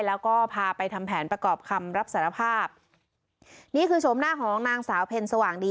แล้วก็พาไปทำแผนประกอบคำรับสารภาพนี่คือชมหน้าของนางสาวเพ็ญสว่างดี